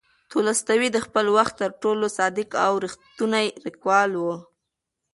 تولستوی د خپل وخت تر ټولو صادق او ریښتینی لیکوال و.